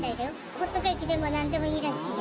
ホットケーキでも何でもいいらしいよ